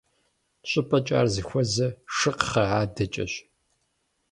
Щӏыпӏэкӏэ ар зыхуэзэр «Шыкхъэ» адэкӏэщ.